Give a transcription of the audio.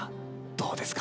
どうですか？